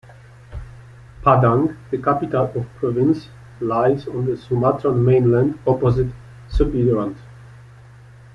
Padang, the capital of the province, lies on the Sumatran mainland opposite Siberut.